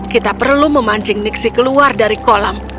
kita perlu memancing nixi keluar dari kolam